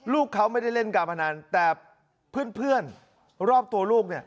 ลูกเขาไม่ได้เล่นการพนันแต่เพื่อนรอบตัวลูกเนี่ย